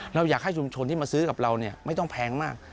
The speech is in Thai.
เราอยากให้ชุมชนที่มาซื้อกับเราไม่ต้องแพงมาก